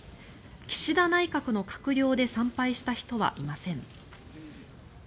岸田内閣の閣僚で参拝した人はいません。